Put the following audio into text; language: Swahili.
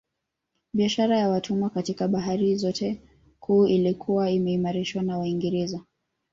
Biashara ya watumwa katika bahari zote kuu ilikuwa imeharamishwa na Waingereza